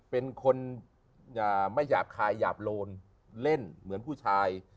เป็นคนไม่หยาบคายหยาบโลนเล่นเหมือนผู้ชาย